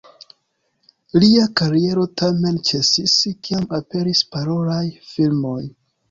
Lia kariero tamen ĉesis, kiam aperis parolaj filmoj.